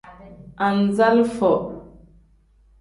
Anzalifo.